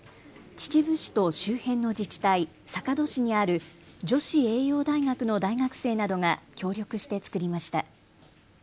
秩父市と周辺の自治体、坂戸市にある女子栄養大学の大学生などが協力して作りました。